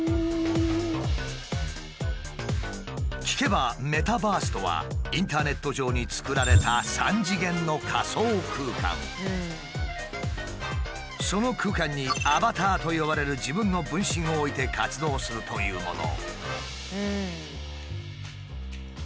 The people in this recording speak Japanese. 聞けばメタバースとはインターネット上に作られたその空間に「アバター」と呼ばれる自分の分身を置いて活動するというもの。